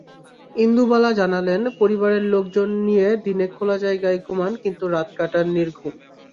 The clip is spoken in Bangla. ইন্দুবালা জানালেন, পরিবারের লোকজন নিয়ে দিনে খোলা জায়গায় ঘুমান, কিন্তু রাত কাটান নির্ঘুম।